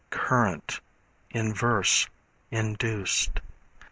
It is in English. Current, Inverse Induced.